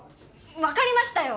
分かりましたよ